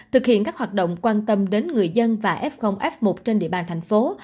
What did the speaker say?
thực hiện các hoạt động quan tâm đến người dân và f f một trên địa bàn thành phố